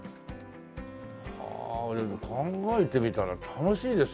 はあでも考えてみたら楽しいですよね